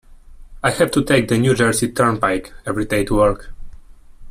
I have to take the New Jersey Turnpike every day to work.